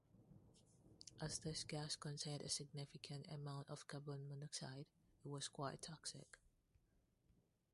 As this gas contained a significant amount of carbon monoxide, it was quite toxic.